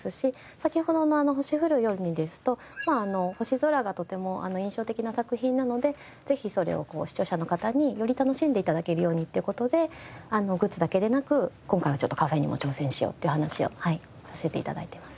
先ほどのあの『星降る夜に』ですと星空がとても印象的な作品なのでぜひそれを視聴者の方により楽しんで頂けるようにっていう事でグッズだけでなく今回はちょっとカフェにも挑戦しようっていう話をさせて頂いてます。